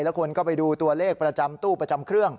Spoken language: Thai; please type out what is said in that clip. แล้วคนก็ไปดูตัวเลขประจำตู้ประจำเครื่อง